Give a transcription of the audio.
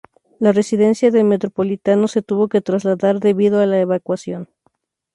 La residencia del Metropolitano se tuvo que trasladar debido a la evacuación.